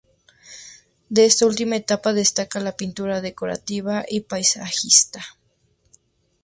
De esta última etapa destaca la pintura decorativa y paisajística.